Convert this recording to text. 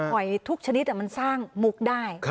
อยทุกชนิดมันสร้างมุกได้